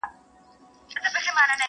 شپه اوږده او سړه وي تل،